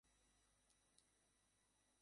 রাজনৈতিক জীবন